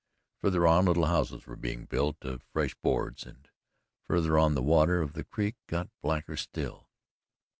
Farther on little houses were being built of fresh boards, and farther on the water of the creek got blacker still.